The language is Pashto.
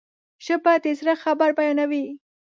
ژبه د زړه خبر بیانوي